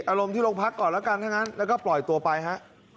อารมณ์ที่โรงพักก่อนแล้วกันทั้งนั้นแล้วก็ปล่อยตัวไปฮะ